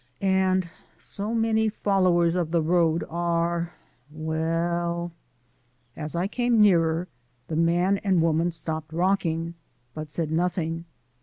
And so many followers of the road are well As I came nearer, the man and woman stopped rocking, but said nothing.